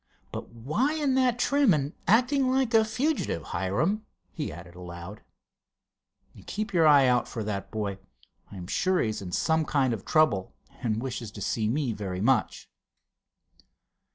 "But why in that trim, and acting like a fugitive? Hiram," he added aloud, "keep your eye out for that boy. I am sure he is in some kind of trouble, and wishes to see me very much."